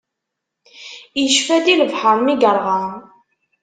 Icfa-d i lebḥeṛ mi yeṛɣa.